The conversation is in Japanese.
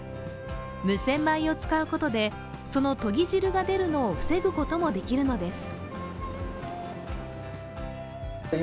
無洗米を使うことでそのとぎ汁が出るのを防ぐこともできるのです。